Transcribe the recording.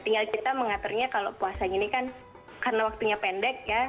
tinggal kita mengaturnya kalau puasa gini kan karena waktunya pendek ya